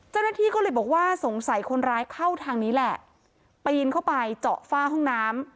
เจ้าหน้าที่ก็เลยบอกว่าสงสัยคนร้ายเข้าทางนี้แหละปีนเข้าไปเจาะฝ้าห้องน้ำ